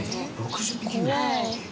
はい。